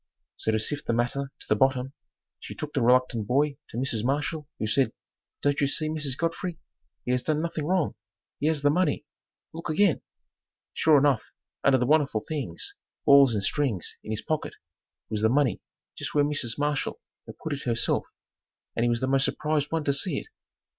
So to sift the matter to the bottom, she took the reluctant boy to Mrs. Marshall, who said, "Don't you see, Mrs. Godfrey, he has done nothing wrong; he has the money; look again." Sure enough, under the wonderful things, balls and strings in his pocket, was the money just where Mrs. Marshall had put it herself and he was the most surprised one to see it.